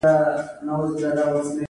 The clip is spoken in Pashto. هغه د لوړ همت څښتن او پر ځان بسیا و